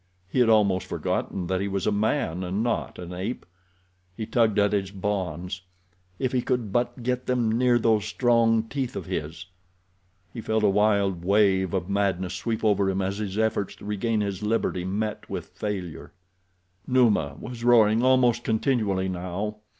He had almost forgotten that he was a man and not an ape. He tugged at his bonds. God, if he could but get them near those strong teeth of his. He felt a wild wave of madness sweep over him as his efforts to regain his liberty met with failure. Numa was roaring almost continually now.